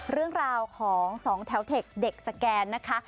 เรื่องราวของสองแถวเทคเด็กสแกนนะคะ